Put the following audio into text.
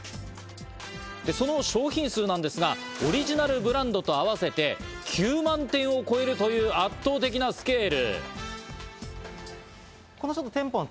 その商品数なんですが、オリジナルブランドと合わせて９万点を超えるという圧倒的なスケール。